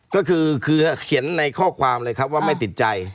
ก็คือคือเขียนในข้อความเลยครับว่าไม่ติดใจ